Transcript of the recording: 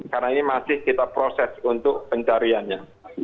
karena ini masih kita proses untuk pencariannya